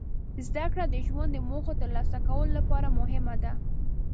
زدهکړه د ژوند د موخو ترلاسه کولو لپاره مهمه ده.